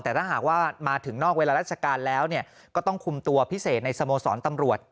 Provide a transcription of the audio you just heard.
แต่ถ้าหากว่ามาถึงนอกเวลาราชการแล้วก็ต้องคุมตัวพิเศษในสโมสรตำรวจ